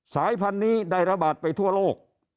สายพันธุ์นี้ได้ระบาดไปทั่วโลก